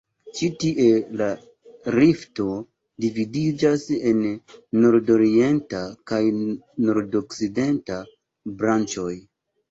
Ĉi tie la rifto dividiĝas en nordorienta kaj nordokcidenta branĉoj.